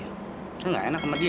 itu nggak enak sama dia